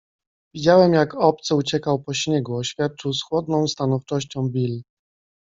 - Widziałem, jak obcy uciekał po śniegu - oświadczył z chłodną stanowczością Bill. -